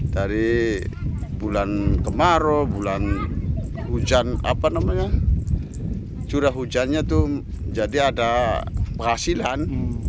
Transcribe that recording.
dari bulan kemarau bulan hujan curah hujannya itu jadi ada penghasilan